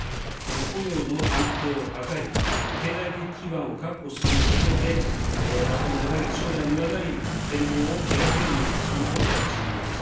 雇用の安定を図り、経済的基盤を確保することで、若者が将来にわたり、展望を描けるようにすることが重要です。